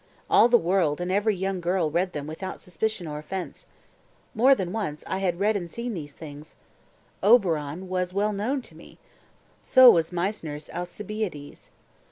All the world and every young girl read them without suspicion or offence. More than once had I read and seen these things; 'Oberon' was well known to me; so was Meissner's 'Alcibiades.'